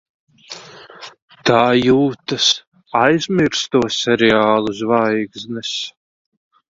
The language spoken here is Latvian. Tā jūtas aizmirsto seriālu zvaigznes.